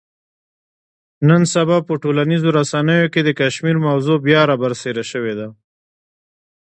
نن سبا په ټولنیزو رسنیو کې د کشمیر موضوع بیا را برسېره شوې ده.